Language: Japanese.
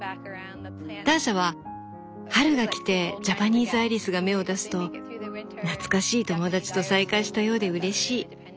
ターシャは「春が来てジャパニーズアイリスが芽を出すと懐かしい友達と再会したようでうれしい」